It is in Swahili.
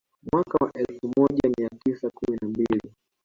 Mwaka wa elfu moja mia tisa kumi na mbili